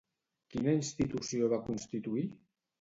Quina institució va constituir?